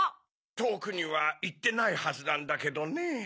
とおくにはいってないはずなんだけどねぇ。